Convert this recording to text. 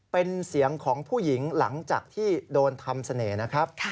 เป็นเสียงของผู้หญิงหลังจากที่โดนทำเสน่ห์นะครับ